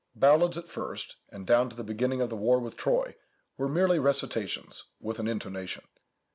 Ballads at first, and down to the beginning of the war with Troy, were merely recitations, with an intonation.